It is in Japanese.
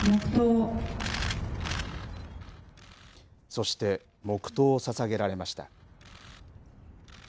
そして黙とうをささげられました。